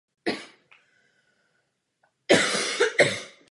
Zdůrazňoval dokonalost člověka.